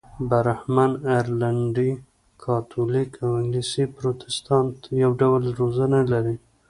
برهمن، ارلنډي کاتولیک او انګلیسي پروتستانت یو ډول روزنه لري.